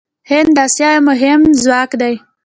هند د اسیا یو مهم ځواک دی.